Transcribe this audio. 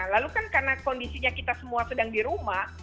lalu kan karena kondisinya kita semua sedang di rumah